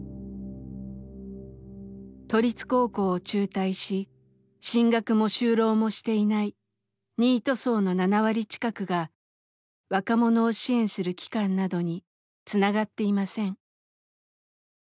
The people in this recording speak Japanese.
都立高校を中退し進学も就労もしていないニート層の７割近くが若者を支援する機関などにつながっていません。